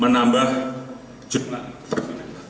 tambah jumlah pertempuran